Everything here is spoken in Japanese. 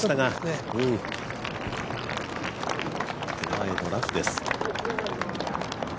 手前のラフです。